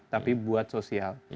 tapi buat sosial